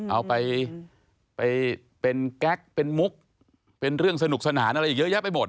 เอาไปเป็นแก๊กเป็นมุกเป็นเรื่องสนุกสนานอะไรอีกเยอะแยะไปหมด